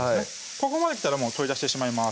ここまで来たら取り出してしまいます